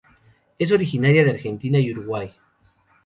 Es originaria de Argentina y Uruguay.